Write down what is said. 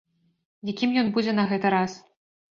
Якім ён будзе на гэты раз?